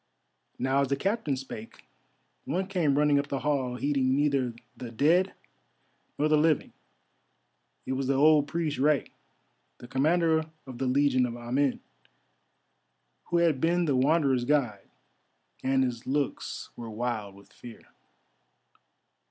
Now as the Captain spake, one came running up the hall, heeding neither the dead nor the living. It was the old priest Rei, the Commander of the Legion of Amen, who had been the Wanderer's guide, and his looks were wild with fear.